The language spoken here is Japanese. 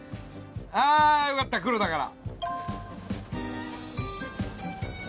あよかった黒だから。